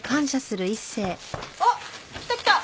あっ来た来た！